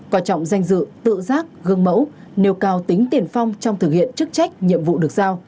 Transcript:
coi trọng danh dự tự giác gương mẫu nêu cao tính tiền phong trong thực hiện chức trách nhiệm vụ được giao